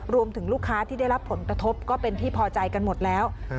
รวมถึงลูกค้าที่ได้รับผลกระทบก็เป็นที่พอใจกันหมดแล้ว